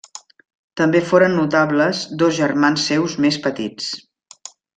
També foren notables dos germans seus més petits.